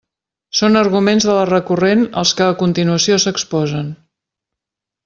Són arguments de la recurrent els que a continuació s'exposen.